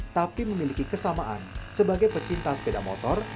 tapi memiliki kesamaan sebagai pecinta sepeda motor